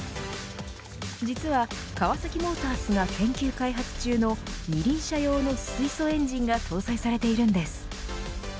実はカワサキモータースが研究開発中の二輪車用の水素エンジンが搭載されているんです。